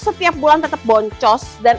setiap bulan tetap boncos dan